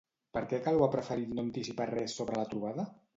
Per què Calvo ha preferit no anticipar res sobre la trobada?